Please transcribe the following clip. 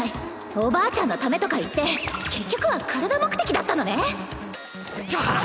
おばあちゃんのためとか言って結局は体目的だったのね！がはっ！